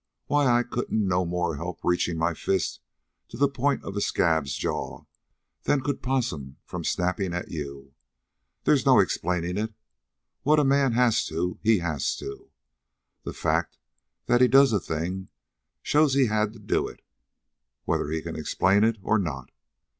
Why, I couldn't no more help reaching my fist to the point of a scab's jaw than could Possum from snappin' at you. They's no explainin' it. What a man has to he has to. The fact that he does a thing shows he had to do it whether he can explain it or not.